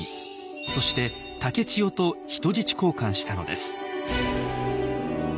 そして竹千代と人質交換したのです。